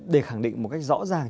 để khẳng định một cách rõ ràng